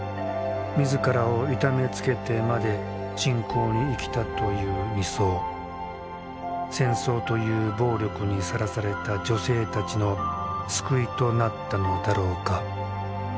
自らを痛めつけてまで信仰に生きたという尼僧戦争という暴力にさらされた女性たちの救いとなったのだろうか。